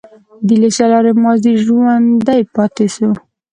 د لیک له لارې ماضي ژوندی پاتې شو.